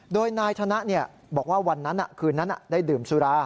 โดยนายธนะบอกว่าวันนั้นคืนนั้นได้ดื่มสุรา